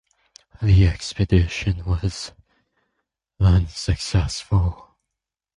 The expedition was unsuccessful.